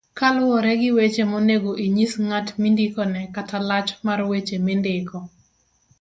kaluwore gi weche monego inyis ng'at mindikone kata lach mar weche mindiko